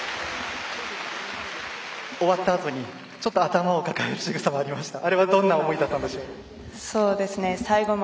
終わったあとに、頭を抱えるしぐさもありましたがどんな思いだったんでしょう。